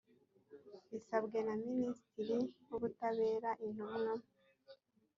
bisabwe na minisitiri w ubutabera intumwa